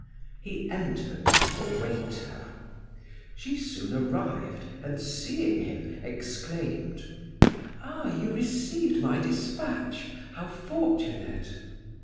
He entered to await her. She soon arrived and, seeing him, exclaimed: "Ah, you received my dispatch! How fortunate!"